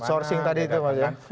sourcing tadi itu mas ya